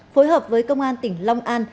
phối hợp với công an tỉnh long an